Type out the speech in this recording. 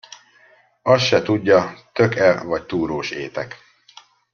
Azt se tudja tök-e vagy túrós étek.